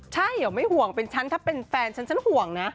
ใช่เดี๋ยวไม่ห่วงเป็นฉันถ้าเป็นแฟนฉันฉันห่วงนะ